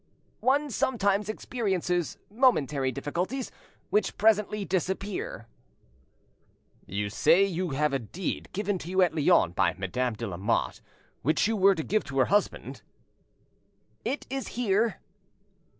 "One sometimes experiences momentary difficulties, which presently disappear." "You say you have a deed given you at Lyons by Madame de Lamotte, which you were to give to her husband?" "It is here."